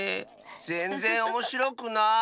ぜんぜんおもしろくない。